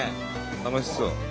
楽しそう。